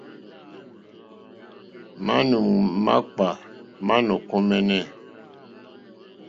Manù makpà ma nò kombεnε.